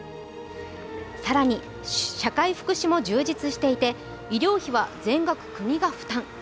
更に社会福祉も充実していて医療費は全額国が負担。